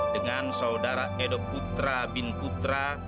dengan saudara edo putra bin putra